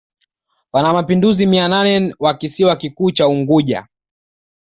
wanamapinduzi mia nane wa kisiwa kikuu cha Unguja